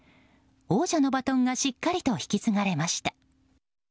王者のバトンがしっかりと引き継がれました。